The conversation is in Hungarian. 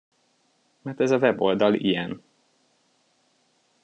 Mert ez a weboldal ilyen.